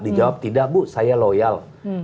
dijawab tidak bu saya loyal